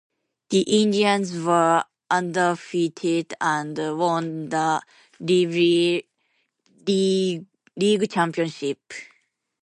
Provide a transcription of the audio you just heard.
The Indians were undefeated and won the Ivy League championship.